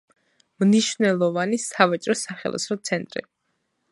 მნიშვნელოვანი სავაჭრო-სახელოსნო ცენტრი.